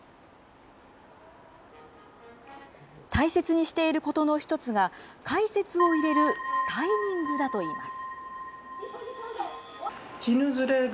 大切にしていることの一つが、解説を入れるタイミングだといいます。